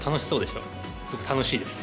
すごく楽しいです。